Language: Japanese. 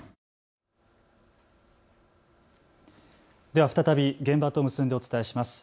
では再び現場と結んでお伝えします。